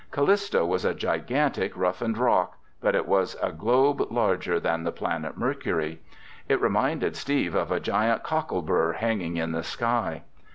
Callisto was a gigantic roughened rock, but it was a globe larger than the planet Mercury. It reminded Steve of a giant cockle burr hanging in the sky.